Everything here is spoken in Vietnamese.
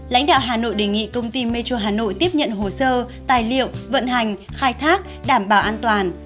lãnh đạo hà nội đề nghị công ty metro hà nội tiếp nhận hồ sơ tài liệu vận hành khai thác đảm bảo an toàn